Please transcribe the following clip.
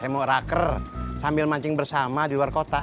saya mau raker sambil mancing bersama di luar kota